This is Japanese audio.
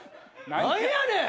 何やねん！